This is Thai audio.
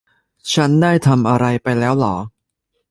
ฉันได้ทำอะไรไปแล้วหรอ